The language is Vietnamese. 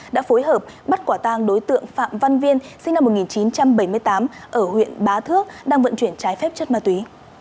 đã phối hợp bắt quả tang đối tượng phạm văn viên sinh năm một nghìn chín trăm bảy mươi tám ở huyện bá thước đang vận chuyển trái phép chất ma túy